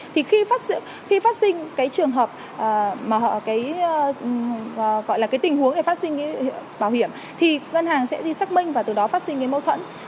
thì khi phát sinh cái trường hợp mà họ cái gọi là cái tình huống để phát sinh cái bảo hiểm thì ngân hàng sẽ đi xác minh và từ đó phát sinh cái mâu thuẫn